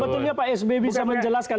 sebetulnya pak s b bisa menjelaskan